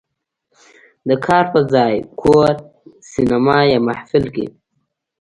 "د کار په ځای، کور، سینما یا محفل" کې